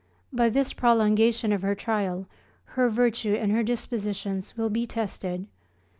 By this prolongation of her trial, her virtue and her dispositions will be tested.